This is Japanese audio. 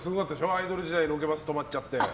アイドル時代ロケバス止まっちゃって。